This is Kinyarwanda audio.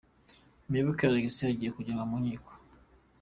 Muyoboke Alex agiye kujyanwa mu nkiko.